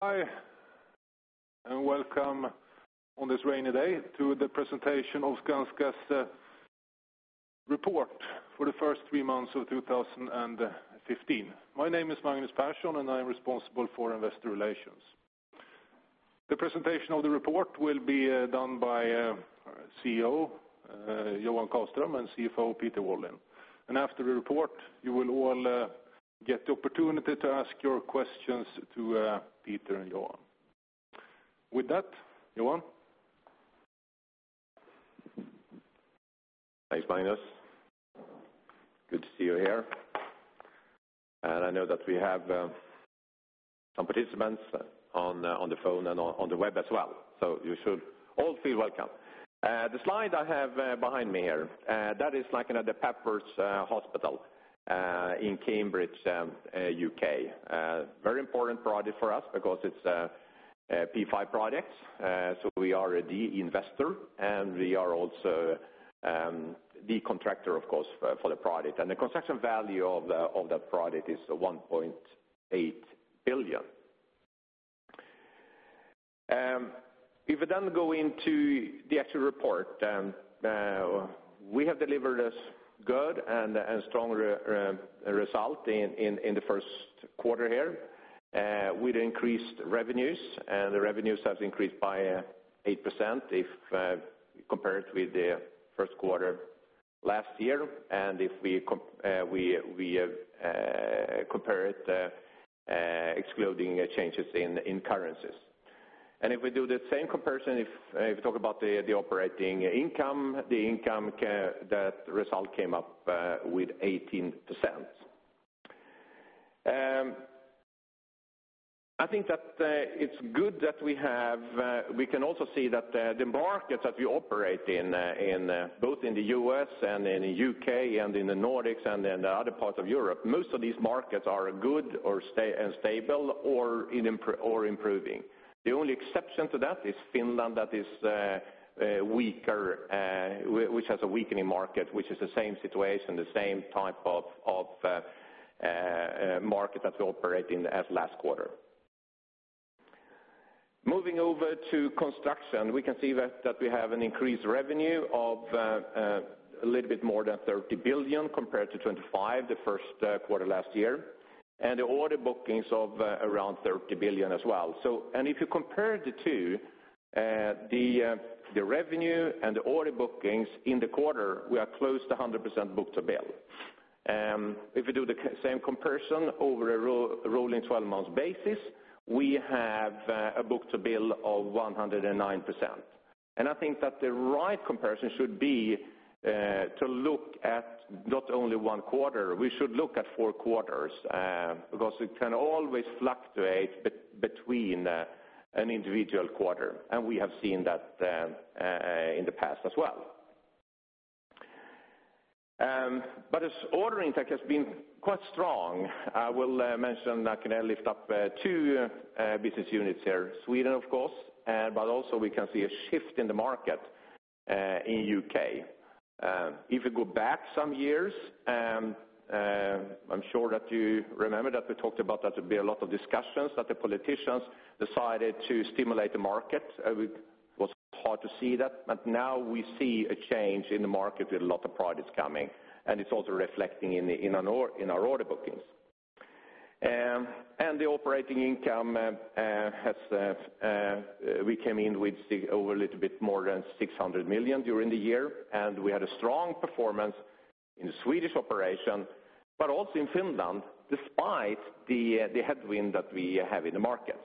Hi, and welcome on this rainy day to the presentation of Skanska's report for the first three months of 2015. My name is Magnus Persson, and I'm responsible for Investor Relations. The presentation of the report will be done by our CEO, Johan Karlström, and CFO, Peter Wallin. After the report, you will all get the opportunity to ask your questions to Peter and Johan. With that, Johan? Thanks, Magnus. Good to see you here. And I know that we have some participants on the phone and on the web as well, so you should all feel welcome. The slide I have behind me here, that is like, you know, the Papworth Hospital in Cambridge, U.K. Very important project for us because it's a PFI project. So we are the investor, and we are also the contractor, of course, for the project. And the construction value of that project is SEK 1.8 billion. If we then go into the actual report, we have delivered a good and strong result in the first quarter here, with increased revenues, and the revenues have increased by 8% if compared with the first quarter last year, and if we compare it excluding changes in currencies. And if we do the same comparison, if we talk about the operating income, the result came up with 18%. I think that it's good that we have, we can also see that the markets that we operate in, in both in the U.S. and in the U.K., and in the Nordics, and in the other parts of Europe, most of these markets are good or stable or improving. The only exception to that is Finland, that is weaker, which has a weakening market, which is the same situation, the same type of market that we operate in as last quarter. Moving over to construction, we can see that we have an increased revenue of a little bit more than 30 billion compared to 25 billion the first quarter last year, and the order bookings of around 30 billion as well. And if you compare the two, the revenue and the order bookings in the quarter, we are close to 100% book-to-bill. If you do the same comparison over a rolling twelve-months basis, we have a book-to-bill of 109%. And I think that the right comparison should be to look at not only one quarter, we should look at four quarters, because it can always fluctuate between an individual quarter, and we have seen that in the past as well. But as order intake has been quite strong, I will mention, I can lift up two business units here, Sweden, of course, but also we can see a shift in the market in U.K. If you go back some years, I'm sure that you remember that we talked about that there'd be a lot of discussions, that the politicians decided to stimulate the market. It was hard to see that, but now we see a change in the market with a lot of projects coming, and it's also reflecting in our order bookings. And the operating income, we came in with over a little bit more than 600 million during the year, and we had a strong performance in the Swedish operation, but also in Finland, despite the headwind that we have in the market.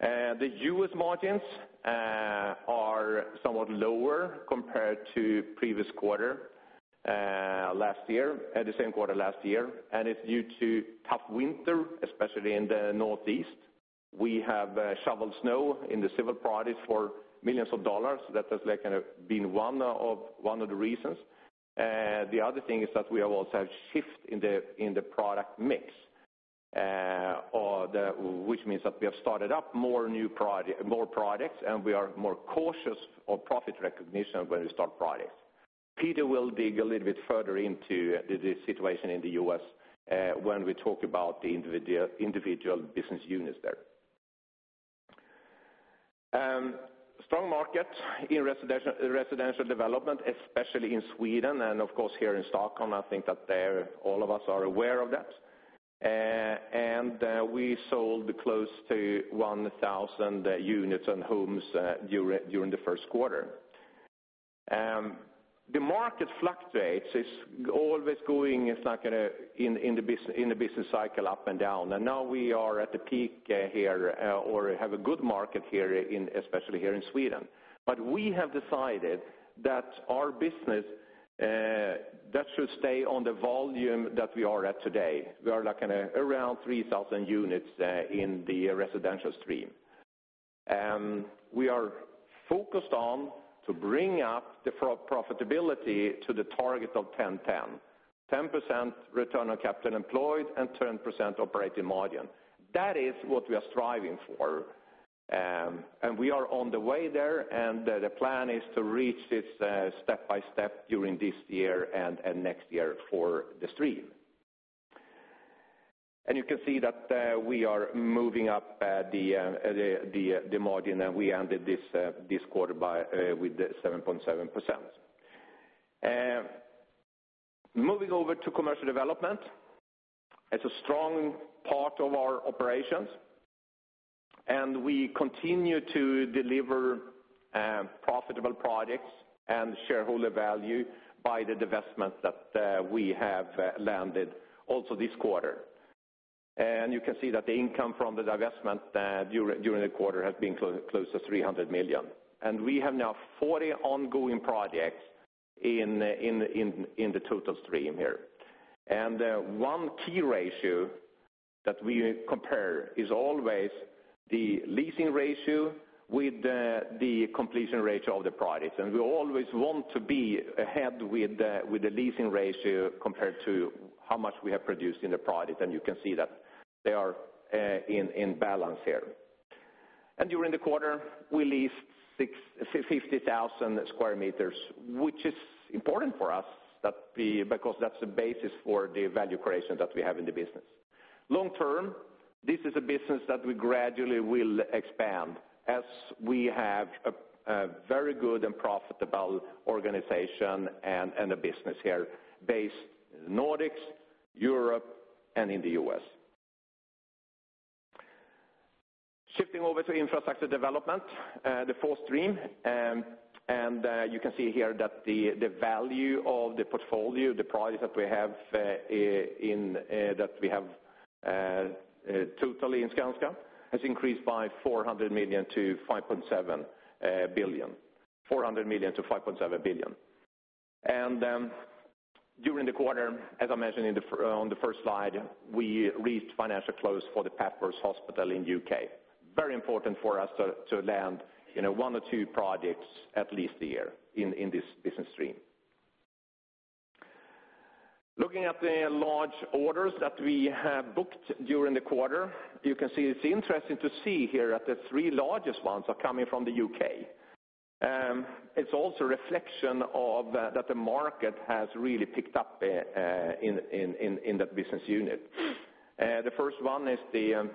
The U.S. margins are somewhat lower compared to previous quarter last year, the same quarter last year, and it's due to tough winter, especially in the Northeast. We have shoveled snow in the civil projects for $ millions. That has, like, been one of the reasons. The other thing is that we have also have shift in the product mix, which means that we have started up more new projects, and we are more cautious of profit recognition when we start projects. Peter will dig a little bit further into the situation in the U.S., when we talk about the individual business units there. Strong market in residential development, especially in Sweden, and of course, here in Stockholm, I think that there all of us are aware of that. And we sold close to 1,000 units and homes during the first quarter. The market fluctuates. It's always going, it's like, in, in the business, in the business cycle, up and down, and now we are at the peak, here, or have a good market here in, especially here in Sweden. But we have decided that our business, that should stay on the volume that we are at today. We are, like, around 3,000 units, in the residential stream. We are focused on to bring up the profitability to the target of 10-10, 10% return on capital employed and 10% operating margin. That is what we are striving for, and we are on the way there, and the plan is to reach this, step by step during this year and next year for the stream. You can see that we are moving up the margin, and we ended this quarter with 7.7%. Moving over to commercial development, it's a strong part of our operations, and we continue to deliver profitable projects and shareholder value by the divestment that we have landed also this quarter. You can see that the income from the divestment during the quarter has been close to 300 million. We have now 40 ongoing projects in the total stream here. One key ratio that we compare is always the leasing ratio with the completion ratio of the projects. We always want to be ahead with the leasing ratio compared to how much we have produced in the project, and you can see that they are in balance here. During the quarter, we leased 650,000 square meters, which is important for us, that we—because that's the basis for the value creation that we have in the business. Long term, this is a business that we gradually will expand as we have a very good and profitable organization and a business here based in Nordics, Europe, and in the US. Shifting over to infrastructure development, the fourth stream, and you can see here that the value of the portfolio, the projects that we have totally in Skanska, has increased by 400 million to 5.7 billion. 400 million to 5.7 billion. And during the quarter, as I mentioned on the first slide, we reached financial close for the Papworth Hospital in U.K. Very important for us to land, you know, one or two projects at least a year in this business stream. Looking at the large orders that we have booked during the quarter, you can see it's interesting to see here that the three largest ones are coming from the U.K. It's also a reflection of that, that the market has really picked up in that business unit. The first one is the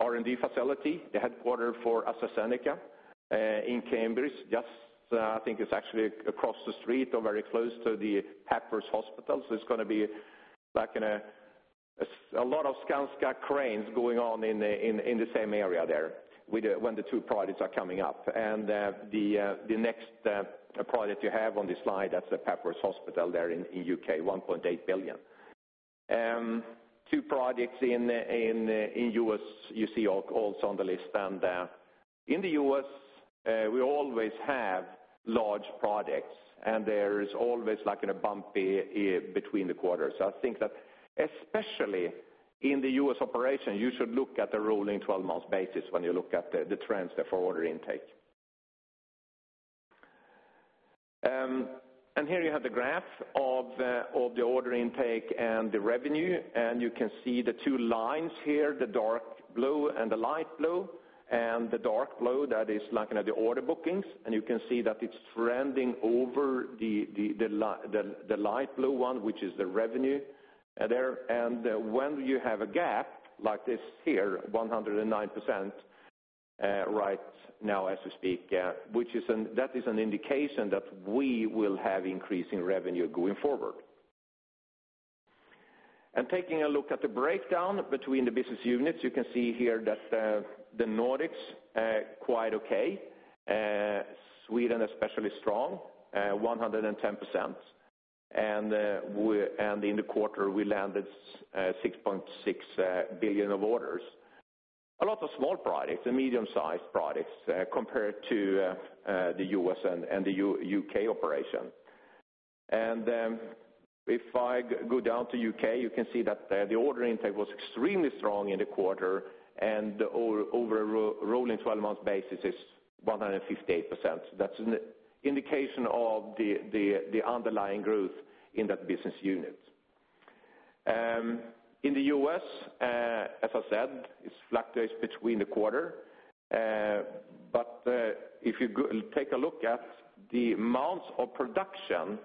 R&D facility, the headquarters for AstraZeneca in Cambridge. Just, I think it's actually across the street or very close to the Papworth Hospital. So it's gonna be like in a lot of Skanska cranes going on in the same area there with the when the two projects are coming up. And, the next project you have on this slide, that's the Papworth Hospital there in the U.K., 1.8 billion. Two projects in the U.S., you see also on the list. And, in the U.S., we always have large projects, and there is always like in a bumpy between the quarters. So I think that especially in the U.S. operation, you should look at the rolling 12-month basis when you look at the trends there for order intake. Here you have the graph of the order intake and the revenue, and you can see the two lines here, the dark blue and the light blue. The dark blue, that is like, you know, the order bookings, and you can see that it's trending over the light blue one, which is the revenue there. When you have a gap like this here, 109%, right now as we speak, which is, that is, an indication that we will have increasing revenue going forward. Taking a look at the breakdown between the business units, you can see here that the Nordics quite okay, Sweden especially strong, 110%. And in the quarter, we landed 6.6 billion of orders. A lot of small projects and medium-sized projects compared to the U.S. and the U.K. operation. And if I go down to U.K., you can see that the order intake was extremely strong in the quarter, and over a rolling twelve-month basis is 158%. That's an indication of the underlying growth in that business unit. In the U.S., as I said, it fluctuates between the quarter. But if you take a look at the amount of production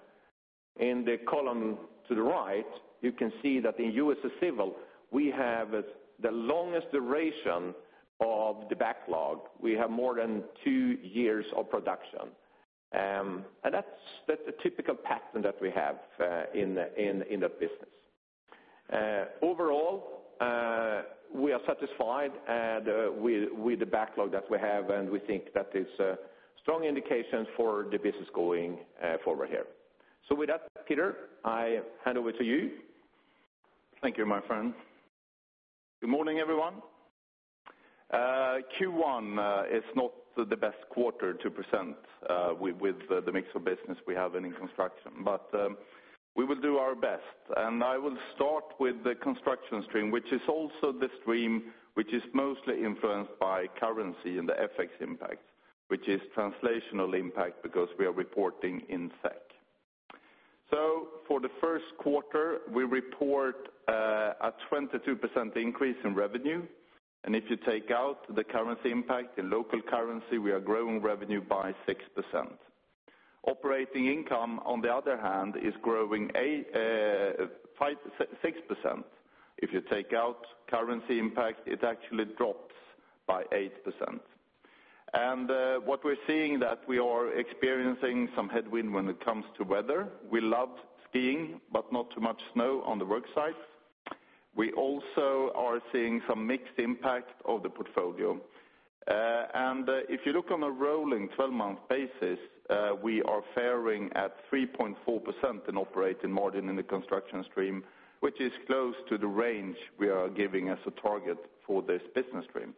in the column to the right, you can see that in U.S. Civil, we have the longest duration of the backlog. We have more than two years of production. And that's a typical pattern that we have in the business. Overall, we are satisfied with the backlog that we have, and we think that it's a strong indication for the business going forward here. So with that, Peter, I hand over to you. Thank you, my friend. Good morning, everyone. Q1 is not the best quarter to present with the mix of business we have in construction, but we will do our best. I will start with the construction stream, which is also the stream which is mostly influenced by currency and the FX impact, which is translational impact because we are reporting in SEK. For the first quarter, we report a 22% increase in revenue, and if you take out the currency impact, in local currency, we are growing revenue by 6%. Operating income, on the other hand, is growing 5.6%. If you take out currency impact, it actually drops by 8%. What we're seeing is that we are experiencing some headwind when it comes to weather. We love skiing, but not too much snow on the work site. We also are seeing some mixed impact of the portfolio. And if you look on a rolling twelve-month basis, we are faring at 3.4% in operating margin in the construction stream, which is close to the range we are giving as a target for this business stream.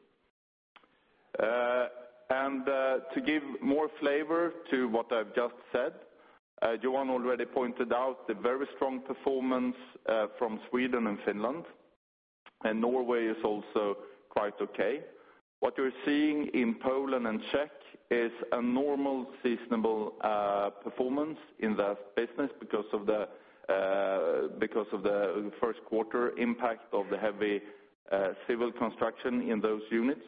And, to give more flavor to what I've just said, Johan already pointed out the very strong performance from Sweden and Finland, and Norway is also quite okay. What you're seeing in Poland and Czech is a normal seasonal performance in that business because of the first quarter impact of the heavy civil construction in those units.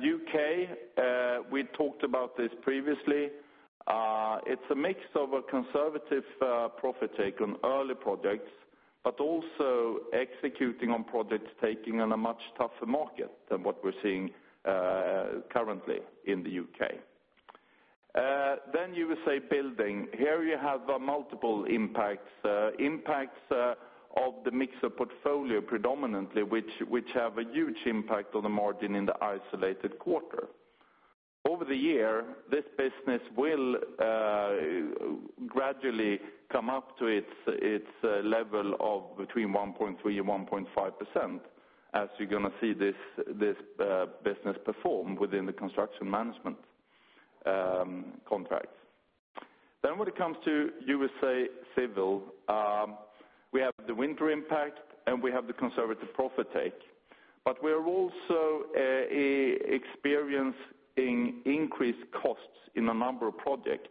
U.K., we talked about this previously. It's a mix of a conservative profit take on early projects, but also executing on projects taking on a much tougher market than what we're seeing currently in the U.K. Then USA Building. Here, you have multiple impacts. Impacts of the mix of portfolio predominantly, which have a huge impact on the margin in the isolated quarter. Over the year, this business will gradually come up to its level of between 1.3% and 1.5%, as you're gonna see this business perform within the construction management contracts. Then when it comes to USA Civil, we have the winter impact, and we have the conservative profit take. But we're also experiencing increased costs in a number of projects,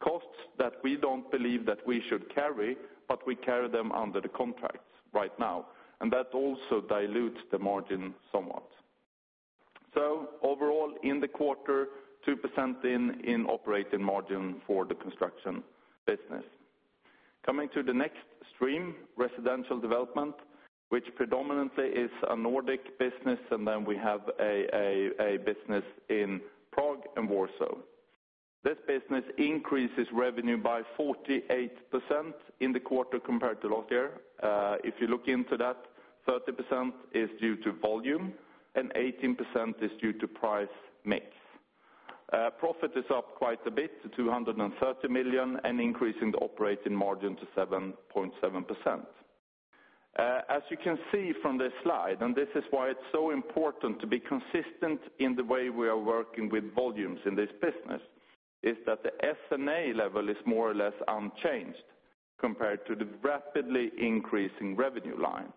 costs that we don't believe that we should carry, but we carry them under the contracts right now, and that also dilutes the margin somewhat. So overall, in the quarter, 2% in operating margin for the construction business. Coming to the next stream, residential development, which predominantly is a Nordic business, and then we have a business in Prague and Warsaw. This business increases revenue by 48% in the quarter compared to last year. If you look into that, 30% is due to volume, and 18% is due to price mix. Profit is up quite a bit to 230 million, and increasing the operating margin to 7.7%. As you can see from this slide, and this is why it's so important to be consistent in the way we are working with volumes in this business, is that the S&A level is more or less unchanged compared to the rapidly increasing revenue line.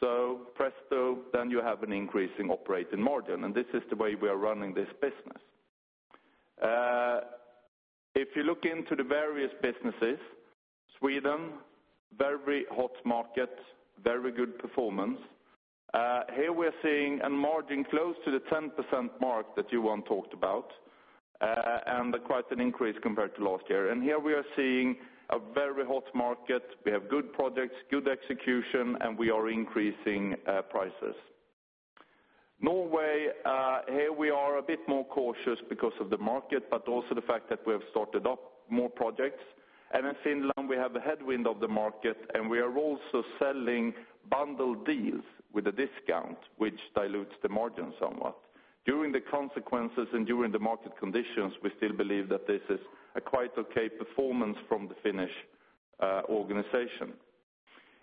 So presto, then you have an increase in operating margin, and this is the way we are running this business. If you look into the various businesses, Sweden, very hot market, very good performance. Here we're seeing a margin close to the 10% mark that Johan talked about, and quite an increase compared to last year. And here we are seeing a very hot market. We have good projects, good execution, and we are increasing prices. Norway, here we are a bit more cautious because of the market, but also the fact that we have started up more projects. And in Finland, we have the headwind of the market, and we are also selling bundled deals with a discount, which dilutes the margin somewhat. During the consequences and during the market conditions, we still believe that this is a quite okay performance from the Finnish organization.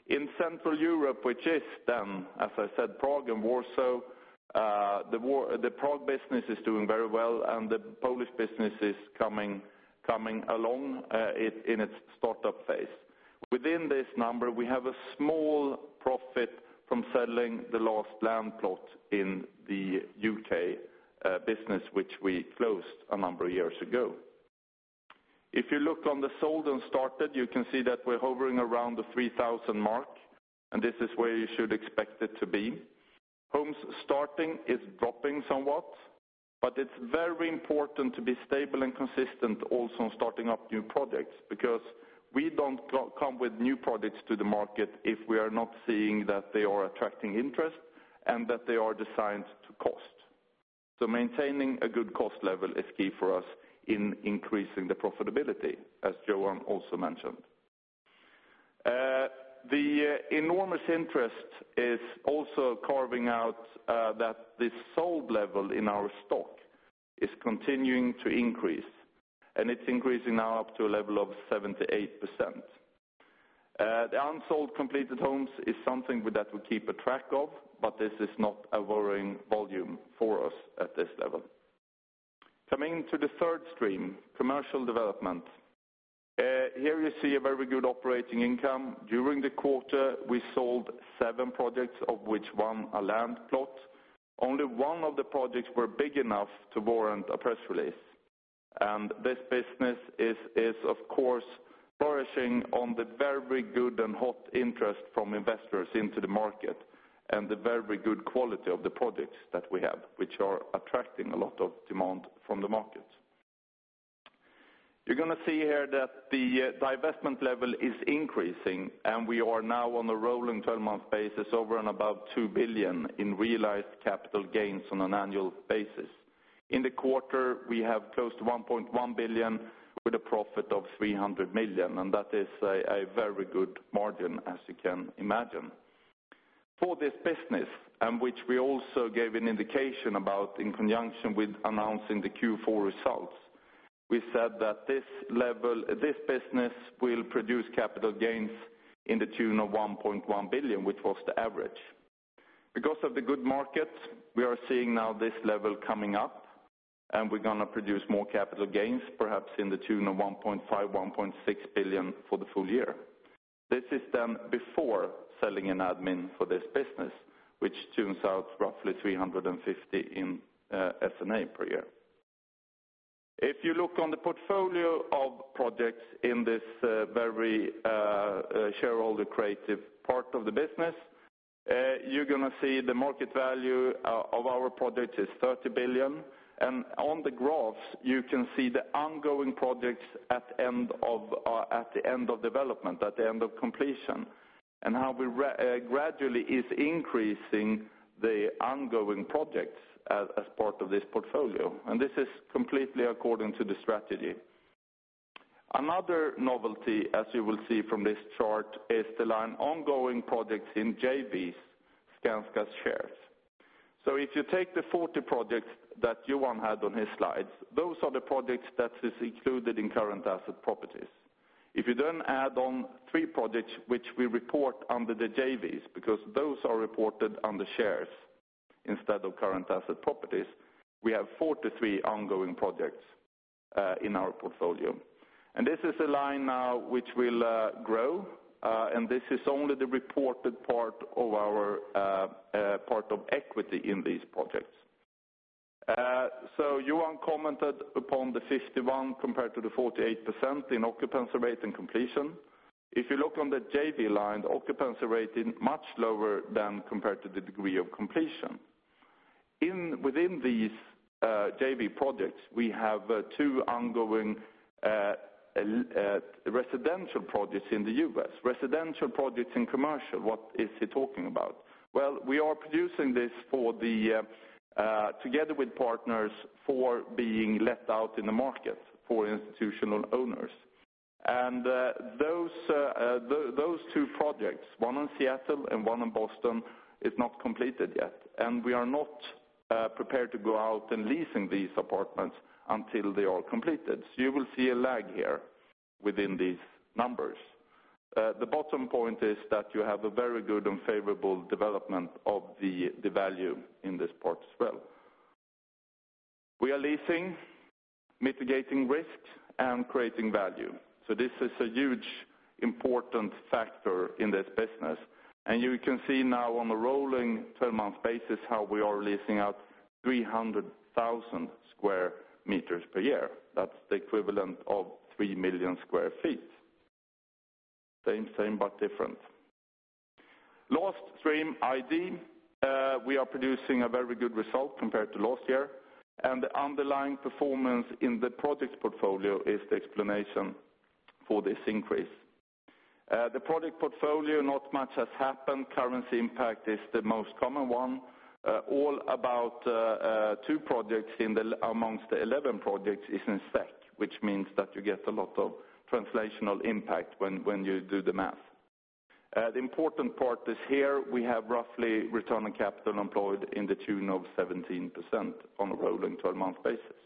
In Central Europe, which is then, as I said, Prague and Warsaw, the Prague business is doing very well, and the Polish business is coming along, in its startup phase. Within this number, we have a small profit from selling the last land plot in the U.K. business, which we closed a number of years ago. If you look on the sold and started, you can see that we're hovering around the 3,000 mark, and this is where you should expect it to be. Homes starting is dropping somewhat, but it's very important to be stable and consistent also in starting up new projects, because we don't come with new projects to the market if we are not seeing that they are attracting interest and that they are designed to cost. So maintaining a good cost level is key for us in increasing the profitability, as Johan also mentioned. The enormous interest is also carving out that the sold level in our stock is continuing to increase, and it's increasing now up to a level of 78%. The unsold completed homes is something that we keep a track of, but this is not a worrying volume for us at this level. Coming to the third stream, commercial development. Here you see a very good operating income. During the quarter, we sold seven projects, of which one, a land plot. Only one of the projects were big enough to warrant a press release. And this business is, is, of course, flourishing on the very good and hot interest from investors into the market, and the very good quality of the projects that we have, which are attracting a lot of demand from the market. You're going to see here that the divestment level is increasing, and we are now on a rolling 12-month basis, over and above 2 billion in realized capital gains on an annual basis. In the quarter, we have close to 1.1 billion, with a profit of 300 million, and that is a, a very good margin, as you can imagine. For this business, and which we also gave an indication about in conjunction with announcing the Q4 results, we said that this level—this business will produce capital gains in the tune of 1.1 billion, which was the average. Because of the good market, we are seeing now this level coming up, and we're going to produce more capital gains, perhaps in the tune of 1.5-1.6 billion for the full year. This is done before selling and admin for this business, which tunes out roughly 350 million in S&A per year. If you look on the portfolio of projects in this very shareholder-accretive part of the business, you're going to see the market value of our project is 30 billion. On the graphs, you can see the ongoing projects at end of, at the end of development, at the end of completion, and how we gradually is increasing the ongoing projects as, as part of this portfolio, and this is completely according to the strategy. Another novelty, as you will see from this chart, is the line ongoing projects in JVs, Skanska's shares. So if you take the 40 projects that Johan had on his slides, those are the projects that is included in current asset properties. If you then add on three projects, which we report under the JVs, because those are reported under shares instead of current asset properties, we have 43 ongoing projects in our portfolio. This is a line now which will grow, and this is only the reported part of our part of equity in these projects. So Johan commented upon the 51% compared to the 48% in occupancy rate and completion. If you look on the JV line, the occupancy rate is much lower than compared to the degree of completion. Within these JV projects, we have two ongoing residential projects in the U.S. Residential projects in commercial, what is he talking about? Well, we are producing this together with partners for being let out in the market for institutional owners. And those two projects, one in Seattle and one in Boston, is not completed yet, and we are not prepared to go out and leasing these apartments until they are completed. So you will see a lag here within these numbers. The bottom point is that you have a very good and favorable development of the value in this part as well. We are leasing, mitigating risks, and creating value. So this is a huge important factor in this business. And you can see now on a rolling twelve-month basis, how we are leasing out 300,000 square meters per year. That's the equivalent of 3 million sq ft. Same, same, but different. Last stream, ID. We are producing a very good result compared to last year, and the underlying performance in the project portfolio is the explanation for this increase. The project portfolio, not much has happened. Currency impact is the most common one. All about two projects amongst the eleven projects is in SEK, which means that you get a lot of translational impact when you do the math. The important part is here, we have roughly return on capital employed in the tune of 17% on a rolling twelve-month basis.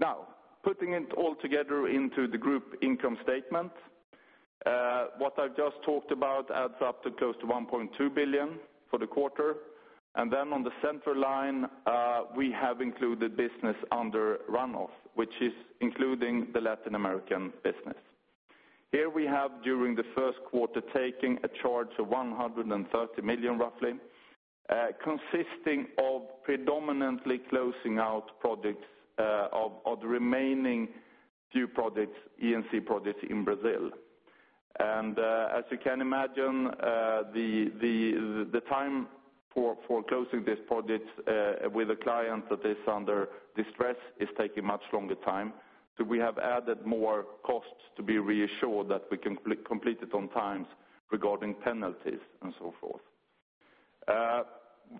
Now, putting it all together into the group income statement, what I've just talked about adds up to close to 1.2 billion for the quarter. And then on the center line, we have included business under run off, which is including the Latin American business. Here we have, during the first quarter, taking a charge of 130 million, roughly, consisting of predominantly closing out projects, of the remaining few projects, E&C projects in Brazil. As you can imagine, the time for closing this project with a client that is under distress is taking much longer time. So we have added more costs to be reassured that we can complete it on time regarding penalties and so forth.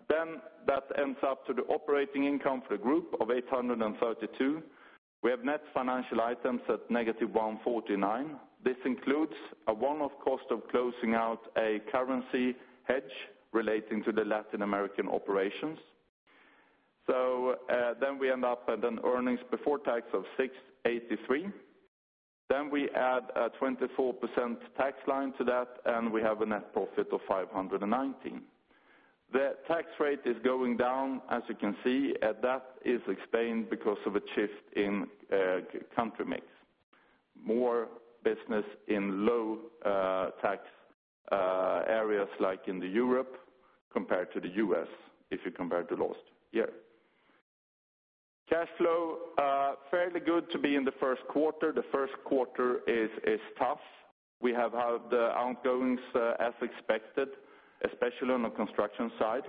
Then that ends up to the operating income for the group of 832. We have net financial items at -149. This includes a one-off cost of closing out a currency hedge relating to the Latin American operations. So, then we end up at an earnings before tax of 683. Then we add a 24% tax line to that, and we have a net profit of 519. The tax rate is going down, as you can see, and that is explained because of a shift in country mix. more business in low-tax areas like in Europe compared to the U.S., if you compare to last year. Cash flow fairly good to be in the first quarter. The first quarter is tough. We have had the outgoings as expected, especially on the construction side,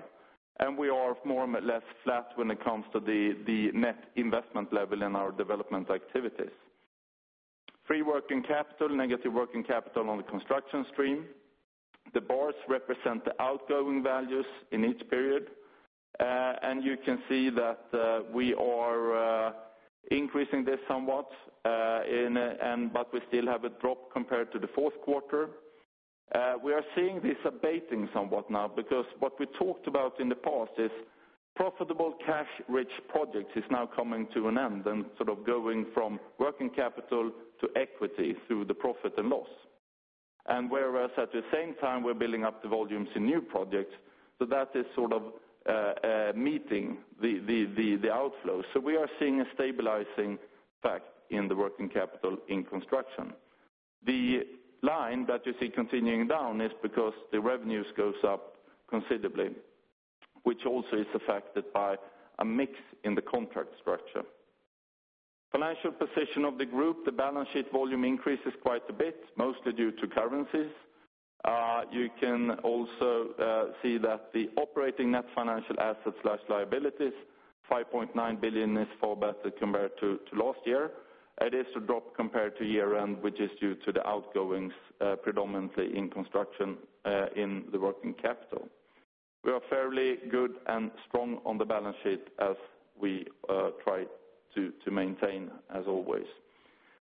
and we are more or less flat when it comes to the net investment level in our development activities. Free working capital, negative working capital on the construction stream. The bars represent the outgoing values in each period, and you can see that we are increasing this somewhat, and but we still have a drop compared to the fourth quarter. We are seeing this abating somewhat now, because what we talked about in the past is profitable cash-rich projects is now coming to an end and sort of going from working capital to equity through the profit and loss. Whereas at the same time, we're building up the volumes in new projects, so that is sort of meeting the outflow. So we are seeing a stabilizing effect in the working capital in construction. The line that you see continuing down is because the revenues goes up considerably, which also is affected by a mix in the contract structure. Financial position of the group, the balance sheet volume increases quite a bit, mostly due to currencies. You can also see that the operating net financial assets/liabilities, 5.9 billion, is far better compared to last year. It is a drop compared to year-end, which is due to the outgoings, predominantly in construction, in the working capital. We are fairly good and strong on the balance sheet as we try to maintain as always.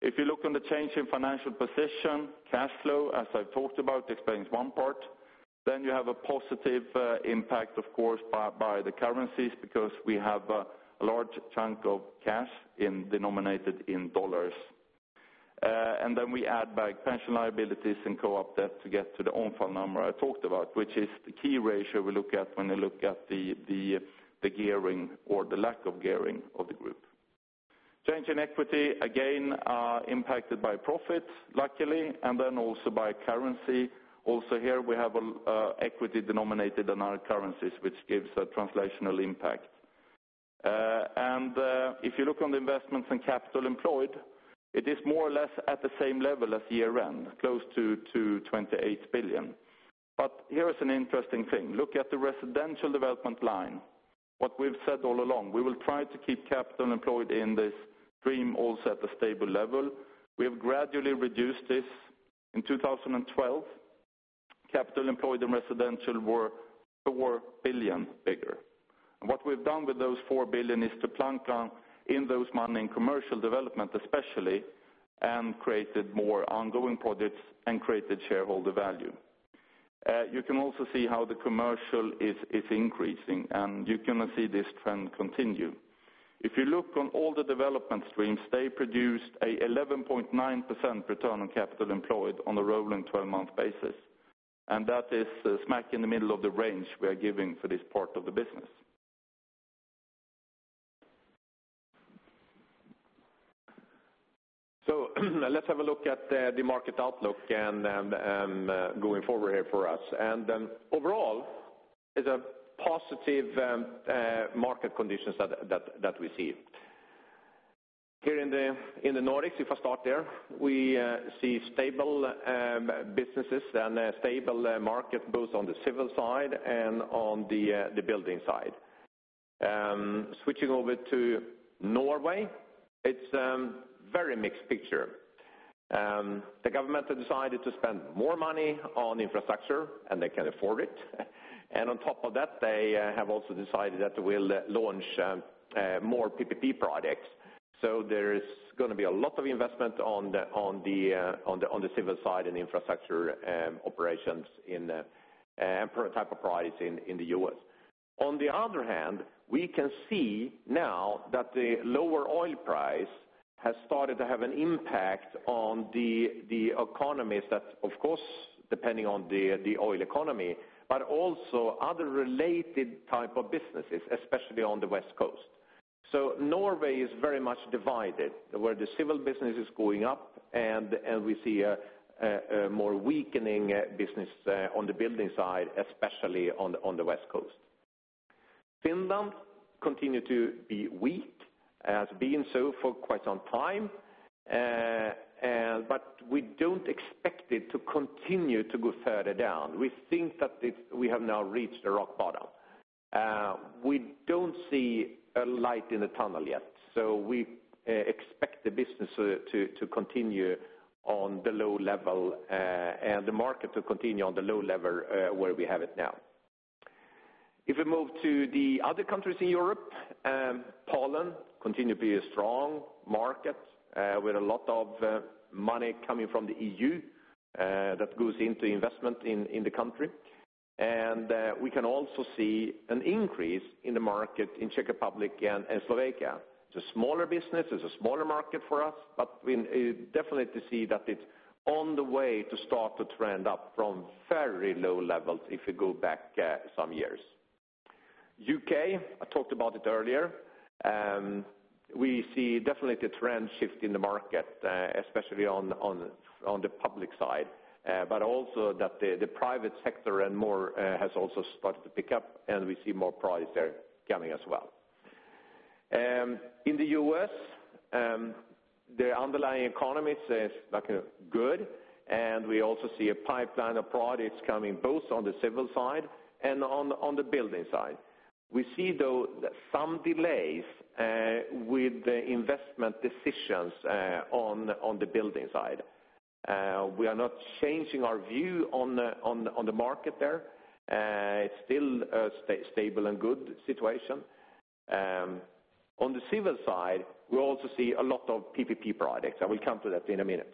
If you look on the change in financial position, cash flow, as I've talked about, explains one part. Then you have a positive impact, of course, by the currencies, because we have a large chunk of cash denominated in dollars. And then we add back pension liabilities and co-op debt to get to the own fund number I talked about, which is the key ratio we look at when we look at the gearing or the lack of gearing of the group. Change in equity, again, impacted by profit, luckily, and then also by currency. Also, here we have equity denominated in our currencies, which gives a translational impact. And if you look on the investments in capital employed, it is more or less at the same level as year-end, close to 28 billion. But here is an interesting thing. Look at the residential development line. What we've said all along, we will try to keep capital employed in this stream also at a stable level. We have gradually reduced this. In 2012, capital employed in residential were 4 billion bigger. And what we've done with those 4 billion is to plunk down in those money in commercial development, especially, and created more ongoing projects and created shareholder value. You can also see how the commercial is increasing, and you're going to see this trend continue. If you look on all the development streams, they produced an 11.9% return on capital employed on a rolling twelve-month basis, and that is smack in the middle of the range we are giving for this part of the business. So, let's have a look at the market outlook and going forward here for us. Overall, it's positive market conditions that we see. Here in the Nordics, if I start there, we see stable businesses and a stable market, both on the civil side and on the building side. Switching over to Norway, it's a very mixed picture. The government has decided to spend more money on infrastructure, and they can afford it. And on top of that, they have also decided that they will launch more PPP projects. So there is going to be a lot of investment on the civil side and infrastructure operations in the type of projects in the U.S. On the other hand, we can see now that the lower oil price has started to have an impact on the economies that, of course, depending on the oil economy, but also other related type of businesses, especially on the West Coast. So Norway is very much divided, where the civil business is going up, and we see a more weakening business on the building side, especially on the West Coast. Finland continues to be weak, as has been so for quite some time, but we don't expect it to continue to go further down. We think that it we have now reached the rock bottom. We don't see a light in the tunnel yet, so we expect the business to continue on the low level, and the market to continue on the low level, where we have it now. If we move to the other countries in Europe, Poland continues to be a strong market, with a lot of money coming from the EU, that goes into investment in the country. We can also see an increase in the market in Czech Republic and Slovakia. It's a smaller business, it's a smaller market for us, but we definitely see that it's on the way to start to trend up from very low levels if you go back some years. U.K., I talked about it earlier. We see definitely the trend shift in the market, especially on the public side. But also that the private sector and more has also started to pick up, and we see more projects there coming as well. In the U.S., the underlying economy is, like, good, and we also see a pipeline of projects coming both on the civil side and on the building side. We see, though, some delays with the investment decisions on the building side. We are not changing our view on the market there. It's still a stable and good situation. On the civil side, we also see a lot of PPP projects. I will come to that in a minute.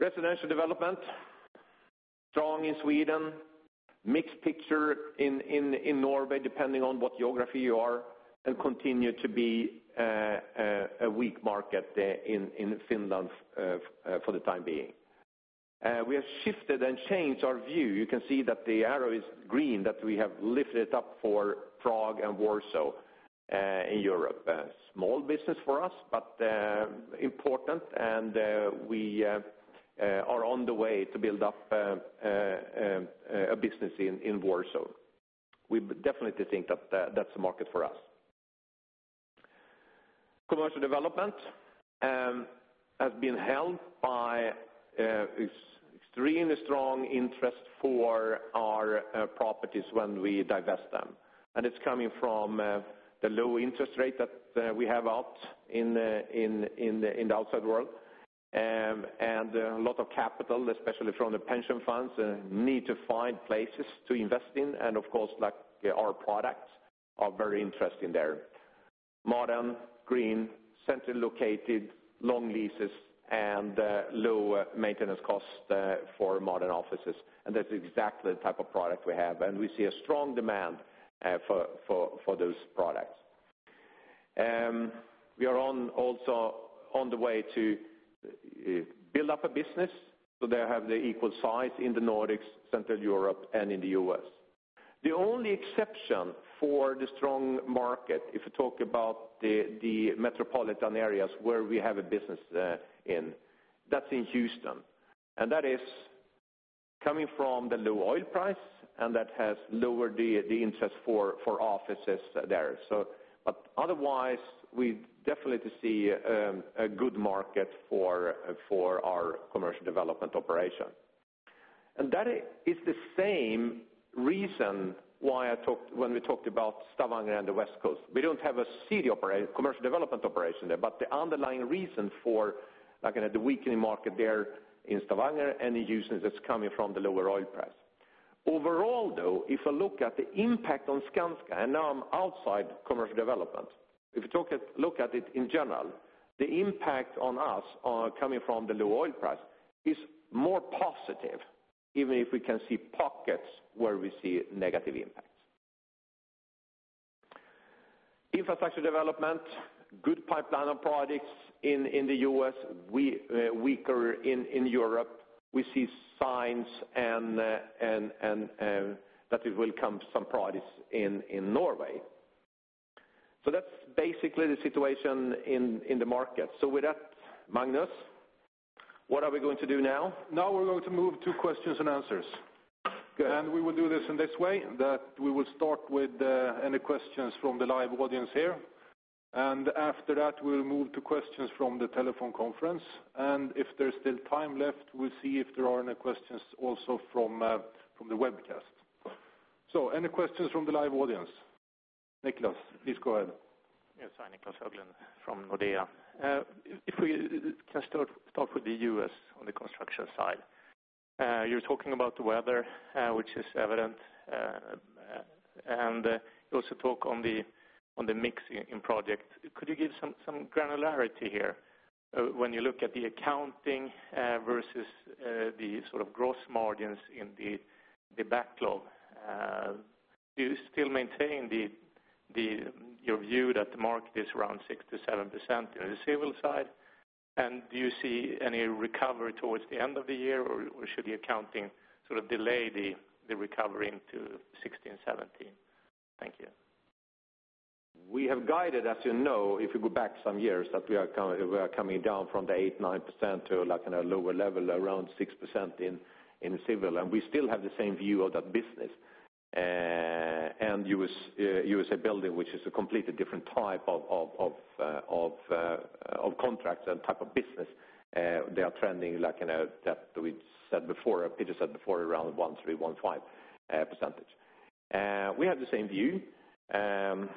Residential development, strong in Sweden, mixed picture in Norway, depending on what geography you are, and continue to be a weak market there in Finland for the time being. We have shifted and changed our view. You can see that the arrow is green, that we have lifted up for Prague and Warsaw in Europe. Small business for us, but important, and we are on the way to build up a business in Warsaw. We definitely think that that's a market for us. Commercial development has been held by extremely strong interest for our properties when we divest them, and it's coming from the low interest rate that we have out in the outside world. A lot of capital, especially from the pension funds, need to find places to invest in, and of course, like, our products are very interesting there. Modern, green, centrally located, long leases, and low maintenance costs for modern offices, and that's exactly the type of product we have, and we see a strong demand for those products. We are also on the way to build up a business, so they have the equal size in the Nordics, Central Europe, and in the U.S. The only exception for the strong market, if you talk about the metropolitan areas where we have a business, that's in Houston, and that is coming from the low oil price, and that has lowered the interest for offices there. So, but otherwise, we definitely see a good market for our commercial development operation. And that is the same reason why I talked—when we talked about Stavanger and the West Coast. We don't have a commercial development operation there, but the underlying reason for, like, the weakening market there in Stavanger and the issues that's coming from the lower oil price. Overall, though, if you look at the impact on Skanska, and now I'm outside commercial development, if you look at it in general, the impact on us coming from the low oil price is more positive, even if we can see pockets where we see negative impacts. Infrastructure development, good pipeline of projects in the U.S., weaker in Europe. We see signs and that it will come some projects in Norway. So that's basically the situation in the market. So with that, Magnus, what are we going to do now? Now we're going to move to questions and answers. Go ahead. We will do this in this way, that we will start with any questions from the live audience here, and after that, we'll move to questions from the telephone conference. If there's still time left, we'll see if there are any questions also from the webcast. Any questions from the live audience? Niclas, please go ahead. Yes, hi, Niclas Höglund from Nordea. If we can start with the U.S. on the construction side. You're talking about the weather, which is evident, and you also talk on the, on the mix in project. Could you give some granularity here? When you look at the accounting versus the sort of gross margins in the backlog, do you still maintain your view that the market is around 6% to 7% in the civil side? And do you see any recovery towards the end of the year, or should the accounting sort of delay the recovery into 2016, 2017? Thank you. We have guided, as you know, if you go back some years, that we are coming, we are coming down from the 8-9% to, like, in a lower level, around 6% in civil, and we still have the same view of that business. And USA Building, which is a completely different type of contracts and type of business, they are trending like, you know, that we said before, Peter said before, around 13-15%. We have the same view. There's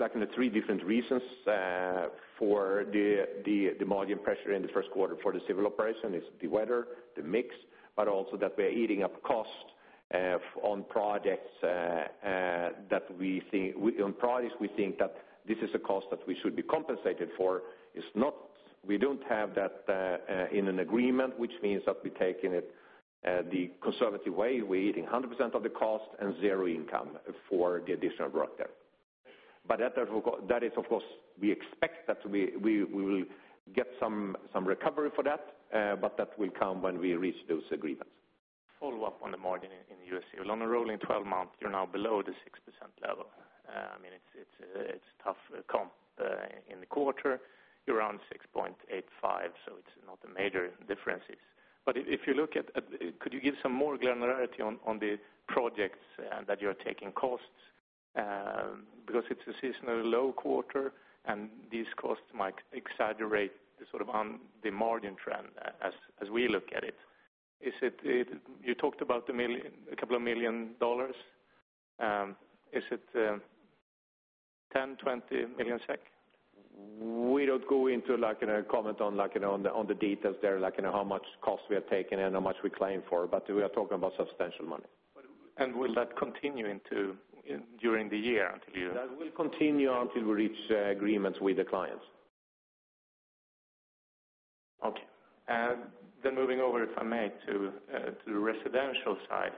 like in the three different reasons for the margin pressure in the first quarter for the civil operation is the weather, the mix, but also that we're eating up costs on projects that we see - on projects we think that this is a cost that we should be compensated for. It's not - we don't have that in an agreement, which means that we take it in the conservative way. We're eating 100% of the cost and zero income for the additional work there. But that is, of course, we expect that we will get some recovery for that, but that will come when we reach those agreements. Follow up on the margin in the U.S. On a rolling twelve-month basis, you're now below the 6% level. I mean, it's tough comp. In the quarter, you're around 6.85%, so it's not a major difference. But if you look at—could you give some more granularity on the projects that you're taking costs? Because it's a seasonally low quarter, and these costs might exaggerate the sort of on the margin trend as we look at it. Is it—you talked about $1 million, a couple of million dollars. Is it 10, 20 million SEK? We don't go into, like, in a comment on, like, you know, on the details there, like, you know, how much costs we are taking and how much we claim for, but we are talking about substantial money. Will that continue into, during the year until you? That will continue until we reach agreements with the clients. Okay. And then moving over, if I may, to the residential side.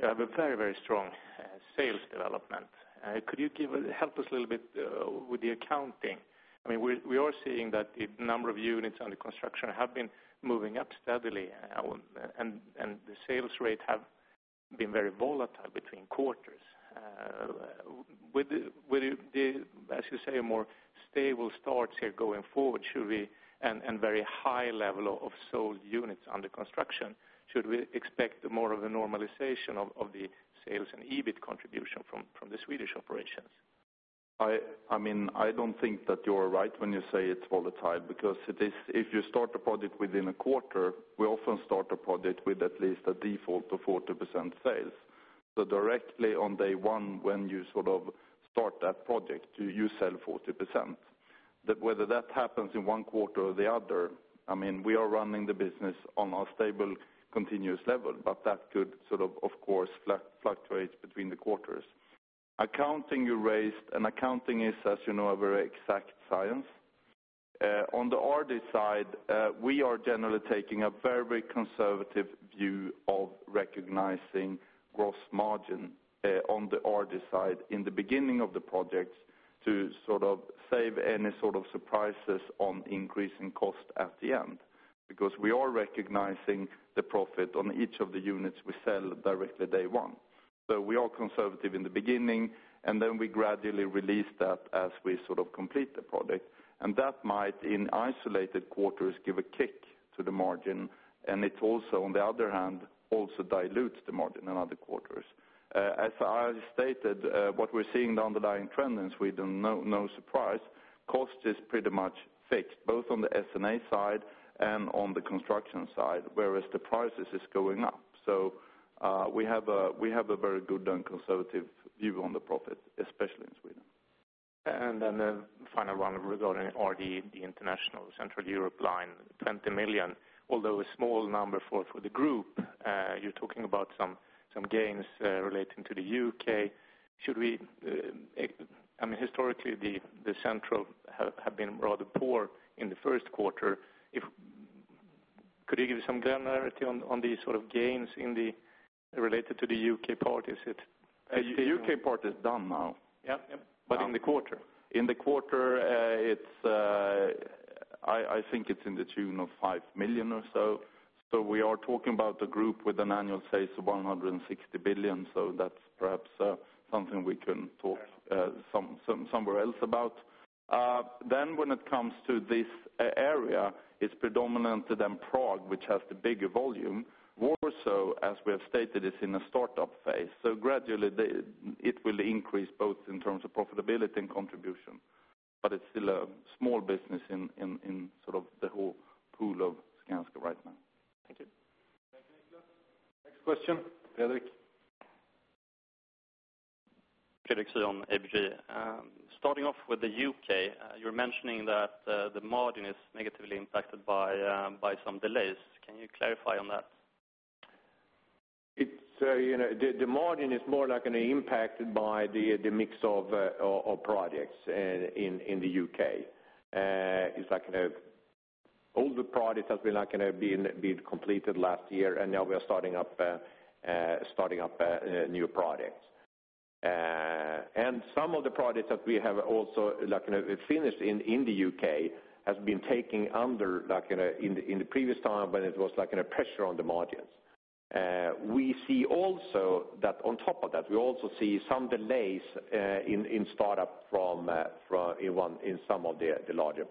You have a very, very strong sales development. Could you help us a little bit with the accounting? I mean, we are seeing that the number of units under construction have been moving up steadily, and the sales rate have been very volatile between quarters. With the, as you say, a more stable starts here going forward, and very high level of sold units under construction, should we expect more of a normalization of the sales and EBIT contribution from the Swedish operations? I mean, I don't think that you're right when you say it's volatile, because it is, if you start a project within a quarter, we often start a project with at least a default of 40% sales. So directly on day one, when you sort of start that project, you sell 40%. That whether that happens in one quarter or the other, I mean, we are running the business on a stable, continuous level, but that could sort of, of course, fluctuate between the quarters. Accounting you raised, and accounting is, as you know, a very exact science. On the RD side, we are generally taking a very conservative view of recognizing gross margin, on the RD side in the beginning of the projects to sort of save any sort of surprises on increasing cost at the end. Because we are recognizing the profit on each of the units we sell directly day one. So we are conservative in the beginning, and then we gradually release that as we sort of complete the project. And that might, in isolated quarters, give a kick to the margin, and it also, on the other hand, also dilutes the margin in other quarters. As I stated, what we're seeing the underlying trend in Sweden, no, no surprise, cost is pretty much fixed, both on the S&A side and on the construction side, whereas the prices is going up. So, we have a, we have a very good and conservative view on the profit, especially in Sweden. And then the final one regarding RD, the international Central Europe line, 20 million, although a small number for the group, you're talking about some gains relating to the U.K. Should we, I mean, historically, the Central have been rather poor in the first quarter. Could you give some granularity on these sort of gains related to the U.K. part? The U.K. part is done now. Yep. But in the quarter? In the quarter, it's, I think it's in the tune of 5 million or so. So we are talking about a group with annual sales of 160 billion, so that's perhaps, something we can talk, somewhere else about. Then when it comes to this area, it's predominantly then Prague, which has the bigger volume. Warsaw, as we have stated, is in a startup phase. So gradually, the, it will increase both in terms of profitability and contribution, but it's still a small business in, in, in sort of the whole pool of Skanska right now. Thank you. Thank you, Niclas. Next question, Fredrik Skjerven. Fredrik Skjerven, ABG. Starting off with the U.K., you're mentioning that the margin is negatively impacted by some delays. Can you clarify on that? It's, you know, the margin is more like impacted by the mix of projects in the U.K. It's like, you know, all the products have been, like, you know, completed last year, and now we are starting up new products. And some of the products that we have also, like, you know, finished in the U.K., has been taking under, like in the previous time, but it was like in a pressure on the margins. We see also that on top of that, we also see some delays in startup from in some of the larger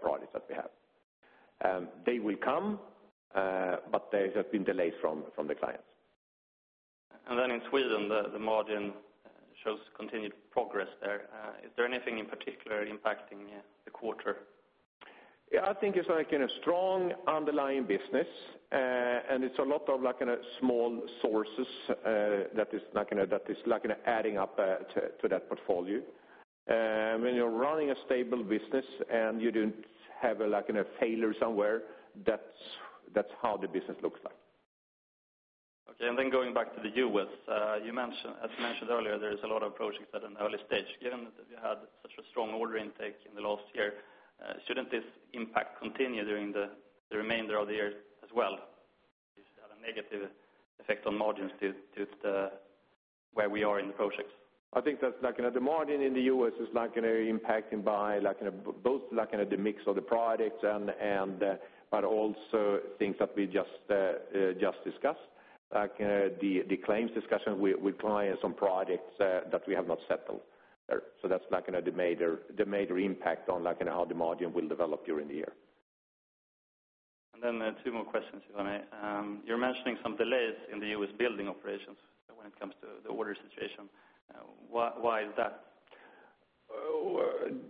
projects that we have. They will come, but there has been delays from the clients. In Sweden, the margin shows continued progress there. Is there anything in particular impacting the quarter? Yeah, I think it's like in a strong underlying business, and it's a lot of like in a small sources, that is like in a, that is like in adding up, to that portfolio. When you're running a stable business and you didn't have a, like, in a failure somewhere, that's, that's how the business looks like. Okay, and then going back to the US. You mentioned, as you mentioned earlier, there is a lot of projects at an early stage. Given that you had such a strong order intake in the last year, shouldn't this impact continue during the remainder of the year as well a negative effect on margins due to where we are in the projects? I think that's like, you know, the margin in the U.S. is like kind of impacting by like, you know, both like kind of the mix of the products and but also things that we just just discussed. Like, the claims discussion with clients on projects that we have not settled. So that's like kind of the major impact on, like, on how the margin will develop during the year. Then two more questions, Johan. You're mentioning some delays in the U.S. building operations when it comes to the order situation. Why, why is that?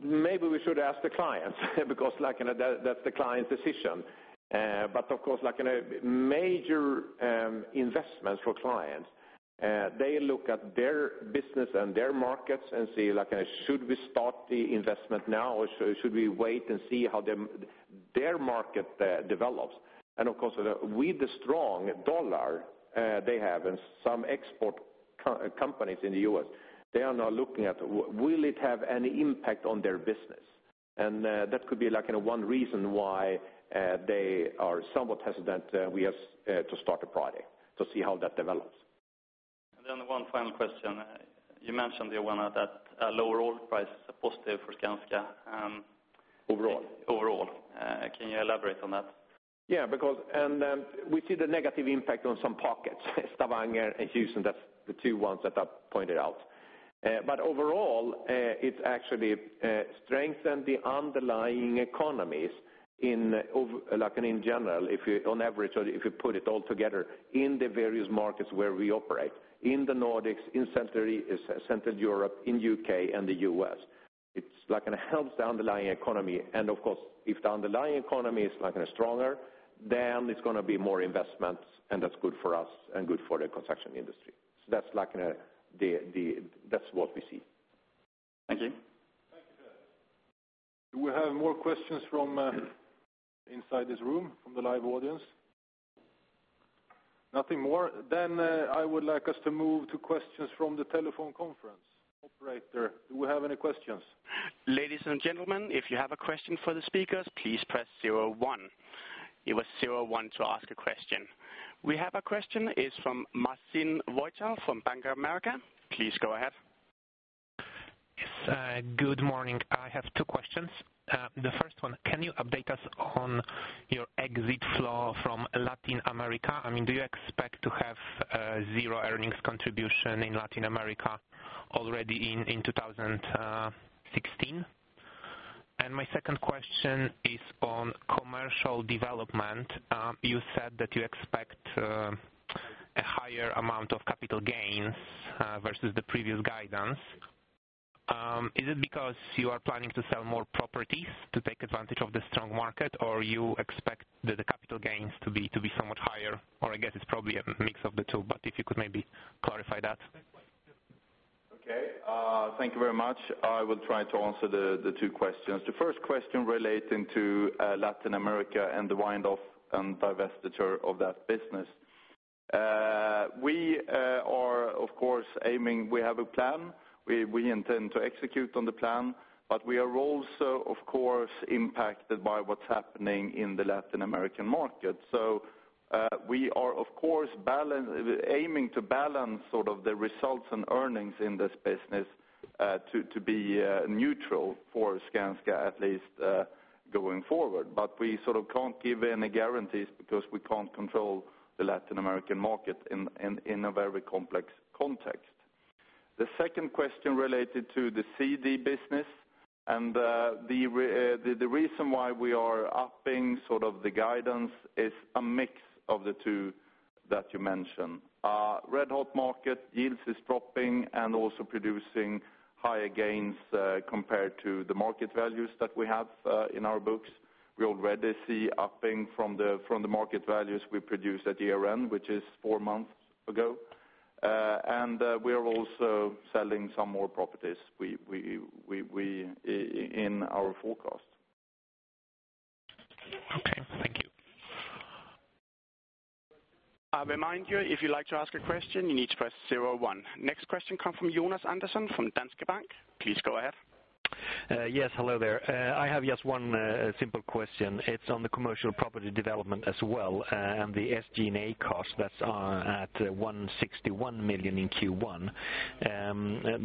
Maybe we should ask the clients, because, like, you know, that, that's the client's decision. But of course, like in a major investment for clients, they look at their business and their markets and see, like, should we start the investment now, or should we wait and see how their market develops? And of course, with the strong dollar, they have in some export companies in the U.S., they are now looking at will it have any impact on their business? And, that could be like, you know, one reason why, they are somewhat hesitant we have to start a project, to see how that develops. One final question. You mentioned, Jonas, that a lower oil price is a positive for Skanska. Overall. Overall. Can you elaborate on that? Yeah, because and we see the negative impact on some pockets. Stavanger and Houston, that's the two ones that I pointed out. But overall, it's actually strengthened the underlying economies in like in general, on average, or if you put it all together in the various markets where we operate, in the Nordics, in Central Europe, in U.K. and the U.S. It's like it helps the underlying economy, and of course, if the underlying economy is like in a stronger, then it's going to be more investments, and that's good for us and good for the construction industry. So that's like in a, the, that's what we see. Thank you. Thank you. Do we have more questions from inside this room, from the live audience? Nothing more. Then, I would like us to move to questions from the telephone conference. Operator, do we have any questions? Ladies and gentlemen, if you have a question for the speakers, please press zero one. It was zero one to ask a question. We have a question; it's from Marcin Wojtal from Bank of America. Please go ahead. Yes, good morning. I have two questions. The first one, can you update us on your exit flow from Latin America? I mean, do you expect to have zero earnings contribution in Latin America already in 2016? And my second question is on commercial development. You said that you expect a higher amount of capital gains versus the previous guidance. Is it because you are planning to sell more properties to take advantage of the strong market, or you expect the capital gains to be somewhat higher? Or I guess it's probably a mix of the two, but if you could maybe clarify that. Okay, thank you very much. I will try to answer the two questions. The first question relating to Latin America and the wind-down and divestiture of that business. We are, of course, aiming—we have a plan. We intend to execute on the plan, but we are also, of course, impacted by what's happening in the Latin American market. So, we are, of course, aiming to balance sort of the results and earnings in this business to be neutral for Skanska, at least, going forward. But we sort of can't give any guarantees because we can't control the Latin American market in a very complex context. The second question related to the CD business, and, the reason why we are upping sort of the guidance is a mix of the two that you mentioned. Red-hot market, yields is dropping and also producing higher gains, compared to the market values that we have, in our books. We already see upping from the market values we produced at year-end, which is four months ago. And, we are also selling some more properties, in our forecast. Okay, thank you. I remind you, if you'd like to ask a question, you need to press zero one. Next question comes from Jonas Andersson from Danske Bank. Please go ahead. Yes, hello there. I have just one simple question. It's on the commercial property development as well, and the SG&A cost that's at 161 million in Q1.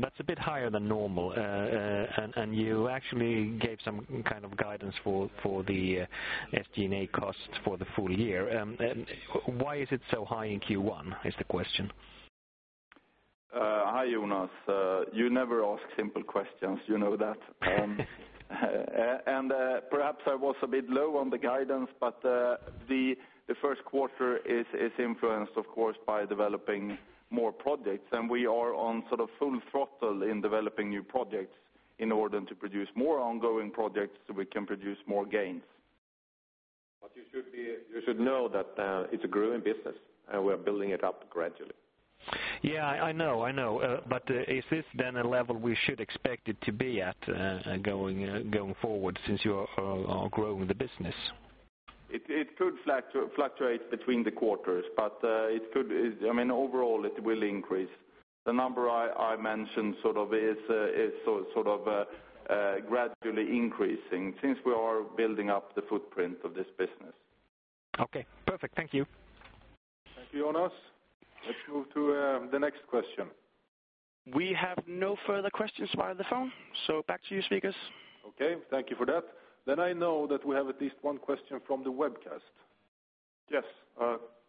That's a bit higher than normal. And you actually gave some kind of guidance for the SG&A costs for the full year. And why is it so high in Q1 is the question? Hi, Jonas. You never ask simple questions, you know that. Perhaps I was a bit low on the guidance, but the first quarter is influenced, of course, by developing more projects. We are on sort of full throttle in developing new projects in order to produce more ongoing projects, so we can produce more gains. But you should know that it's a growing business, and we are building it up gradually. Yeah, I know, I know. But is this then a level we should expect it to be at, going forward since you are growing the business? It could fluctuate between the quarters, but it could... I mean, overall, it will increase. The number I mentioned sort of is sort of gradually increasing since we are building up the footprint of this business. Okay, perfect. Thank you. Thank you, Jonas. Let's move to the next question. We have no further questions via the phone, so back to you, speakers. Okay, thank you for that. I know that we have at least one question from the webcast. Yes,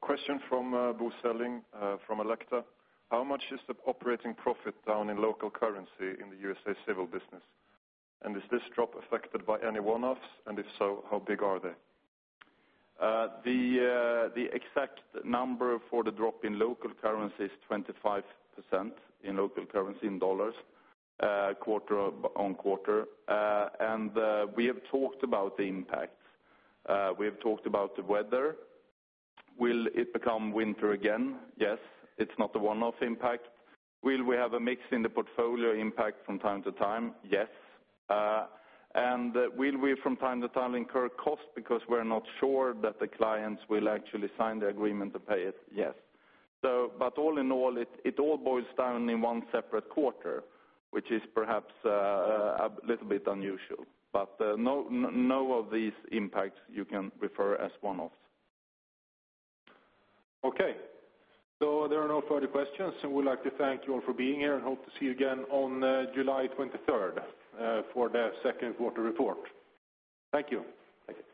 question from Bo Selling, from Alecta. How much is the operating profit down in local currency in the USA Civil business? And is this drop affected by any one-offs, and if so, how big are they? The exact number for the drop in local currency is 25% in local currency, in dollars, quarter-on-quarter. And we have talked about the impact. We have talked about the weather. Will it become winter again? Yes, it's not a one-off impact. Will we have a mix in the portfolio impact from time to time? Yes. And will we, from time to time, incur costs because we're not sure that the clients will actually sign the agreement to pay it? Yes. So, but all in all, it all boils down in one separate quarter, which is perhaps a little bit unusual. But no, none of these impacts you can refer as one-off. Okay. There are no further questions. We would like to thank you all for being here, and hope to see you again on July 23rd for the second quarter report. Thank you. Thank you.